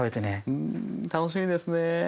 うん楽しみですね。